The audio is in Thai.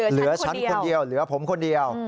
เหลือฉันคนเดียวเหลือผมคนเดียว